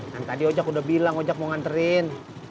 kan tadi ojak udah bilang ojak mau nganterin